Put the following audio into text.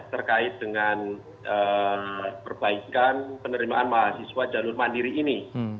terkait dengan perbaikan penerimaan mahasiswa jalur mandiri ini